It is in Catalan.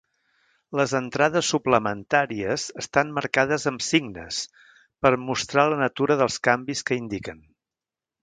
Les entrades suplementàries estan marcades amb signes per mostrar la natura dels canvis que indiquen.